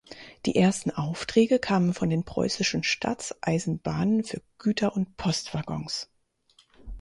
Die ersten Aufträge kamen von den Preußischen Staatseisenbahnen für Güter- und Post-Waggons.